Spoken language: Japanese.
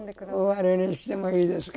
終わりにしてもいいですか？